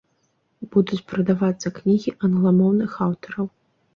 Будуць прадавацца кнігі англамоўных аўтараў.